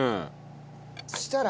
そしたら？